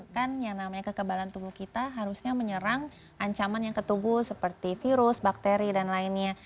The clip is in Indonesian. kan yang namanya kekebalan tubuh kita harusnya menyerang ancaman yang ketubuh seperti virus bakteri dan lainnya